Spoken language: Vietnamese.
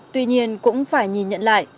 tuy nhiên cũng phải nhìn nhận lại